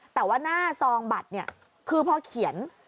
แต่ว่าหน้าซองบัตรเนี่ยคือพอเขียน